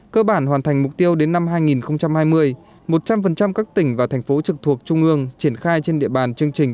cơ bản hoàn thành mục tiêu đến năm hai nghìn hai mươi một trăm linh các tỉnh và thành phố trực thuộc trung ương triển khai trên địa bàn chương trình